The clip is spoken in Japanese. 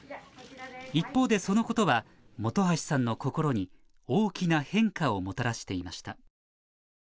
一方でそのことは本橋さんの心に大きな変化をもたらしていました